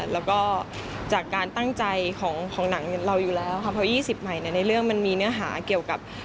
แล้วก็จากการตั้งใจของหนังเราอยู่แล้วค่ะเพราะ๒๐ใหม่ในเรื่องมันมีเนื้อหาเกี่ยวกับ